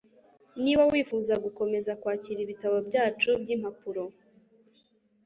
Niba wifuza gukomeza kwakira ibitabo byacu byimpapuro